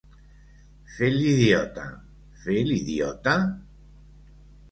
Fer l'idiota, fer l'idiota?